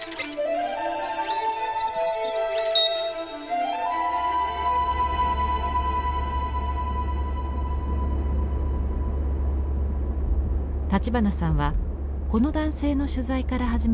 立花さんはこの男性の取材から始めることにしました。